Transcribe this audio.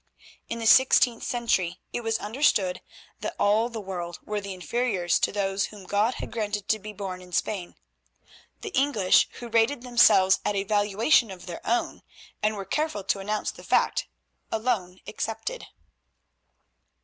In the sixteenth century it was understood that all the world were the inferiors to those whom God had granted to be born in Spain, the English who rated themselves at a valuation of their own—and were careful to announce the fact—alone excepted.